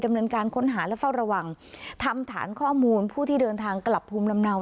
ดำเนินการค้นหาและเฝ้าระวังทำฐานข้อมูลผู้ที่เดินทางกลับภูมิลำเนา